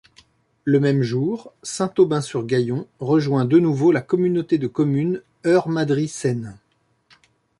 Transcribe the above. Le même jour, Saint-Aubin-sur-Gaillon rejoint de nouveau la communauté de communes Eure-Madrie-Seine.